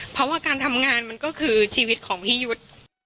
เพราะว่าการทำงานมันก็คือชีวิตของพี่ยุทธ์